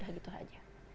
udah gitu aja